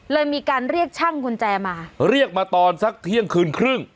มีการเรียกช่างกุญแจมาเรียกมาตอนสักเที่ยงคืนครึ่ง